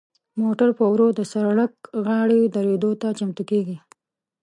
موټر په ورو د سړک غاړې دریدو ته چمتو کیږي.